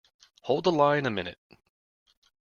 Hold the line a minute.